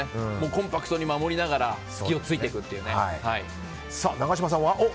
コンパクトに守りながら隙を突いていく。